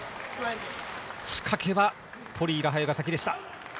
仕掛けはポリイ、ラハユが先でした。